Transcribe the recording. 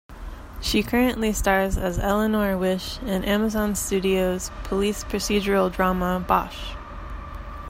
She currently stars as Eleanor Wish in Amazon Studios' police procedural drama "Bosch".